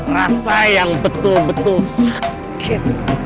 rasa yang betul betul sakit